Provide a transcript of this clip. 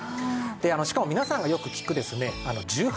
でしかも皆さんがよく聞くですね１８